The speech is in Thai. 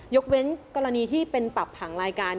ยกเว้นกรณีที่เป็นปรับผังรายการ